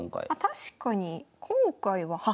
確かに今回はは！